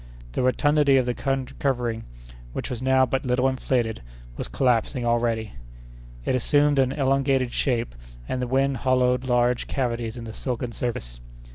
The rotundity of the covering, which was now but little inflated, was collapsing already. It assumed an elongated shape, and the wind hollowed large cavities in the silken surface.